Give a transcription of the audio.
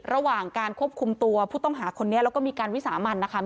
ระหว่างการควบคุมตัวผู้ต้องหาคนนี้แล้วก็มีการวิสามันนะคะ